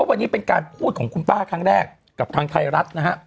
วันนี้เป็นการพูดของคุณป้าครั้งแรกกับทางไทยรัฐนะฮะ